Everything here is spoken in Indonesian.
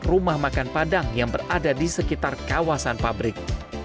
rumah makan padang yang berada di sekitar kawasan pabrik